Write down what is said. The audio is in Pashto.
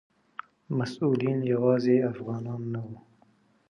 مسؤلین یوازې افغانان نه وو.